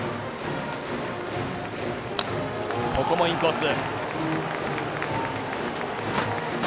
ここもインコース。